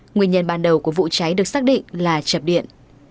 nguyên nhân ban đầu của vụ cháy được xác định là chập điện